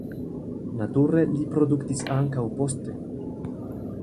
Nature li produktis ankaŭ poste.